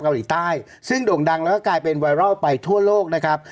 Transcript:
เกาหลีใต้ซึ่งโด่งดังแล้วก็กลายเป็นไวรัลไปทั่วโลกนะครับ